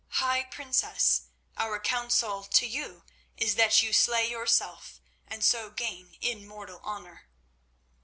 High Princess, our counsel to you is that you slay yourself and so gain immortal honour."